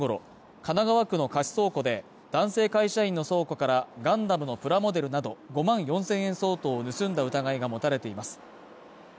横浜市の倉持太一容疑者はきのう午前６時半ごろ神奈川区の貸し倉庫で男性会社員の倉庫からガンダムのプラモデルなど５万４０００円相当を盗んだ疑いが持たれています